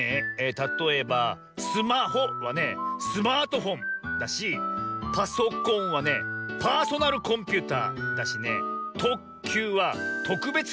たとえばスマホはねスマートフォンだしパソコンはねパーソナルコンピューターだしねとっきゅうはとくべつ